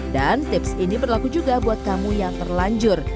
dan tips ini berlaku juga buat kamu yang terlanjur